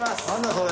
それ。